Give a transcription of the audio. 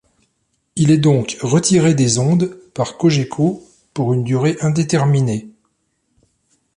Il est donc retiré des ondes par Cogeco pour une durée indéterminée.